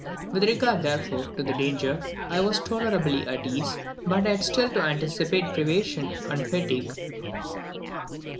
With regard, therefore, to the danger, I was tolerably at ease, but I had still to anticipate privation and fatigue.